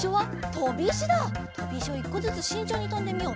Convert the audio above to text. とびいしを１こずつしんちょうにとんでみよう。